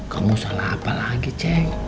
kamu salah apa lagi ceng